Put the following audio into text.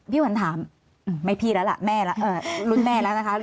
พี่หวันถามไม่พี่แล้วละแม่แล้วรุ่นแม่แล้วนะคะ